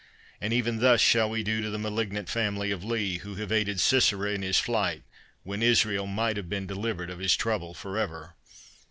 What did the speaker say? And even thus shall we do to the malignant family of Lee, who have aided Sisera in his flight, when Israel might have been delivered of his trouble for ever.